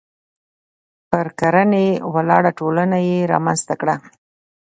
پر کرنې ولاړه ټولنه یې رامنځته کړه.